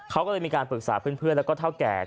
เขาก็เลยมีการปรึกษาเพื่อนแล้วก็เท่าแก่